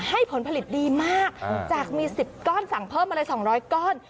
ผลผลิตดีมากจากมี๑๐ก้อนสั่งเพิ่มมาเลย๒๐๐ก้อน